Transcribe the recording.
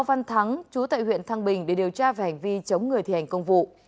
văn thắng chú tại huyện thăng bình để điều tra về hành vi chống người thi hành công vụ